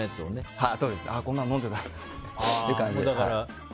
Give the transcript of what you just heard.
こんなの飲んでたんだなって感じで。